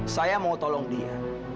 saya mau tolong dia